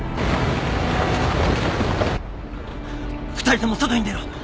２人とも外に出ろ！早く！